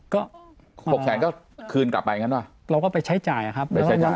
ก็หกแสนก็คืนกลับไปอย่างนั้นป่ะเราก็ไปใช้จ่ายอะครับไปใช้จ่าย